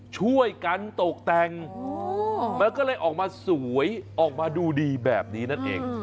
ช่วยกันตกแต่งมันก็เลยออกมาสวยออกมาดูดีแบบนี้นั่นเอง